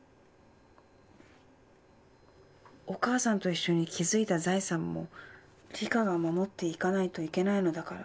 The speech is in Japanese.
「お母さんと一緒に築いた財産もリカが守っていかないといけないのだから。